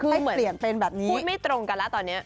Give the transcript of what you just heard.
ให้เปลี่ยนเป็นแบบนี้พูดไม่ตรงกันแล้วตอนนี้